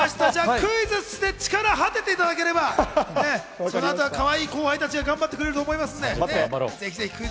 クイズッスで力果てていただければ、その後はかわいい後輩たちが頑張ってくれると思います。